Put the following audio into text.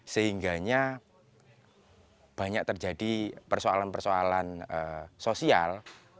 sehingganya banyak terjadi persoalan persoalan sosial